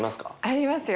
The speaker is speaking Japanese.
ありますよ。